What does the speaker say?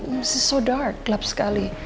ini sangat gelap gelap sekali